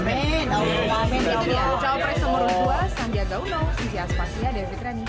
itu dia jawabannya nomor dua sandiaga uno sisi aspasya david rani